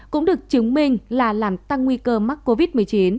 cũng được chứng minh là làm tăng nguy cơ mắc covid một mươi chín